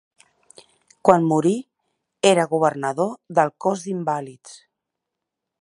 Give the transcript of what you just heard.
Quan morí era governador del Cos d'invàlids.